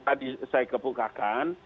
tadi saya kepukakan